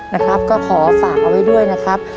นะครับก็ขอฝากเอาไว้ด้วยนะครับ